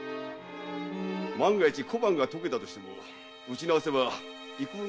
万が一小判が溶けたとしても打ち直せば幾分かは金に戻る。